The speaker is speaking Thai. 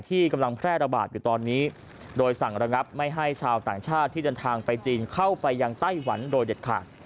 ที่กำลังแพร่ระบาดอยู่ตอนนี้โดยสั่งระงับไม่ให้ชาวต่างชาติที่เดินทางไปจีนเข้าไปยังไต้หวันโดยเด็ดขาด